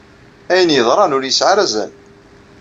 Ayen yeḍran ur yesɛi ara azal.